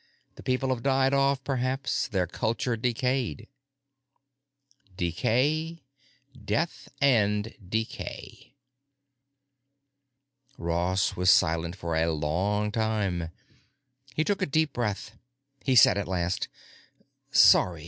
The people have died off, perhaps; their culture decayed." Decay. Death and decay. Ross was silent for a long time. He took a deep breath. He said at last, "Sorry.